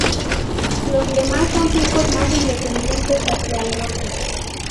Los demás son picos más independientes hacia al norte.